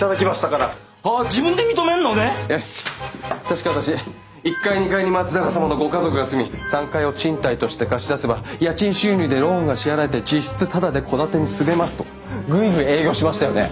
確か私「１階２階に松永様のご家族が住み３階を賃貸として貸し出せば家賃収入でローンが支払えて実質タダで戸建てに住めます」とグイグイ営業しましたよね。